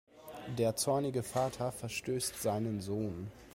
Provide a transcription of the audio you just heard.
Der zornige Vater verstößt seinen Sohn.